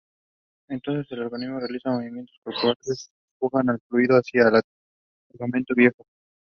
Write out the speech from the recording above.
He was posthumously awarded the Sena Medal.